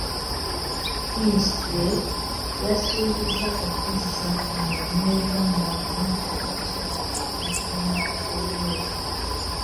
Minisitule yasuubizza okuzza kuno Abanayuganda bonna abakyakonkomalidde ebweru.